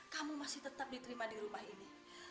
kamu masih tetap diterima di rumah ini